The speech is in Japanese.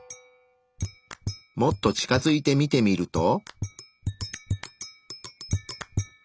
もっと近づいて見てみると。